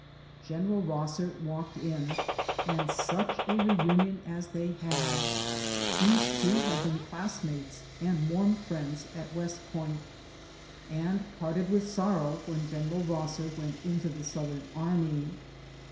General Rosser walked in, and such a reunion as they had ! These two had been classmates and warm friends at West Point, and parted with sorrow when General Rosser went into the Southern army.